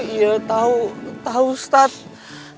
iya tahu tahu ustadz